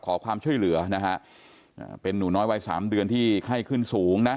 ขอความช่วยเหลือนะฮะเป็นหนูน้อยวัยสามเดือนที่ไข้ขึ้นสูงนะ